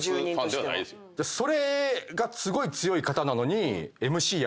それがすごい強い方なのに。